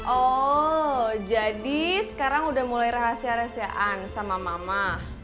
oh jadi sekarang udah mulai rahasia rahasiaan sama mama